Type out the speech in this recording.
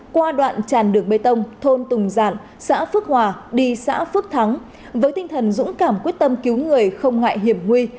qua đoạn tràn đường bê tông thôn tùng giản xã phước hòa đi xã phước thắng với tinh thần dũng cảm quyết tâm cứu người không ngại hiểm nguy